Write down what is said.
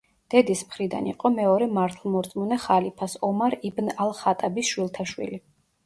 დედის მხრიდან იყო მეორე მართლმორწმუნე ხალიფას, ომარ იბნ ალ-ხატაბის შვილთაშვილი.